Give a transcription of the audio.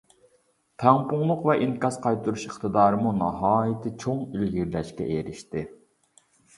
تەڭپۇڭلۇق ۋە ئىنكاس قايتۇرۇش ئىقتىدارىمۇ ناھايىتى چوڭ ئىلگىرىلەشكە ئېرىشتى.